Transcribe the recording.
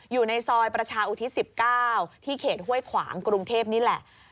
อยู่ในซอยประชาอุทิศ๑๙ที่เขตห้วยขวางกรุงเทพนี่แหละ